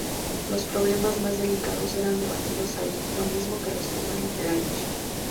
Los problemas más delicados eran debatidos allí, lo mismo que los temas literarios.